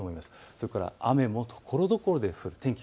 それから雨もところどころで降る天気、天気